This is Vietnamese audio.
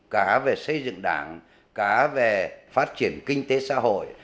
cá về xây dựng đảng cá về phát triển kinh tế xã hội